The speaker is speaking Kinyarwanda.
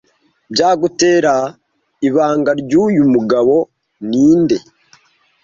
Bya gutera ibanga ryuyu mugabo ninde